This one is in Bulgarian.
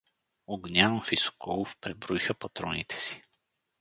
Огнянов и Соколов преброиха патроните си.